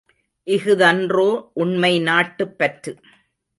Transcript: இஃதன்றோ உண்மை நாட்டுப்பற்று!